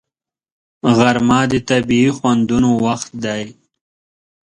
غرمه د طبیعي خوندونو وخت دی